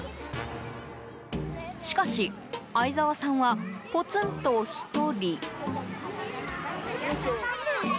しかし、相澤さんはぽつんと１人。